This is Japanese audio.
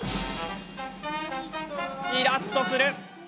イラッとする！